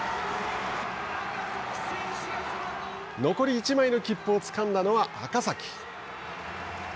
残り１枚の切符をつかんだのは赤崎。